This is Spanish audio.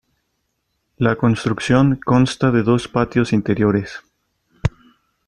La construcción consta de dos patios interiores.